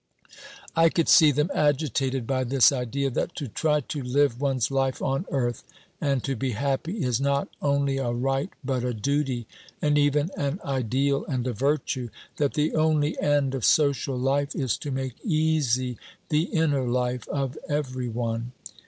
I could see them agitated by this idea that to try to live one's life on earth and to be happy is not only a right but a duty, and even an ideal and a virtue; that the only end of social life is to make easy the inner life of every one.